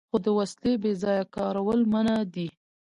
خو د وسلې بې ځایه کارول منع دي.